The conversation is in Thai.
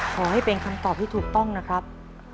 ขอให้เป็นคำตอบที่ถูกต้องนะครับ